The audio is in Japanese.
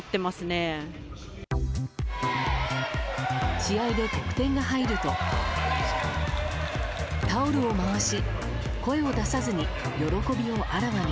試合で得点が入るとタオルを回し、声を出さずに喜びをあらわに。